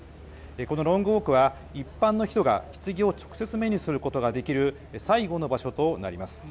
このロングウォークは一般の人がひつぎを直接目にすることができる最後の場所となります。